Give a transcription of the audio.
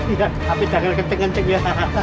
iya tapi jangan ngecek ngecek ya